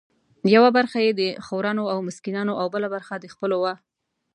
یوه برخه یې د خورانو او مسکینانو او بله برخه د خپلو وه.